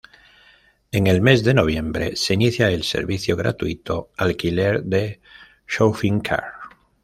En el mes de noviembre se inicia el servicio gratuito "Alquiler de Shopping Cart".